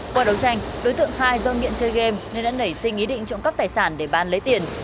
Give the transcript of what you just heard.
qua đấu tranh đối tượng khai do nghiện chơi game nên đã nảy sinh ý định trụng cấp tài sản để ban lấy tiền